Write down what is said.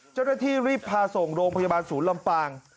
เจ้าหน้าที่รีบพาส่งโรงพยาบาลศูนย์ลำปาง